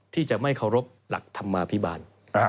ที่จะไม่เคารพหลักธรรมาภิบาล